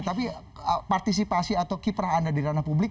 tapi partisipasi atau kiprah anda di ranah publik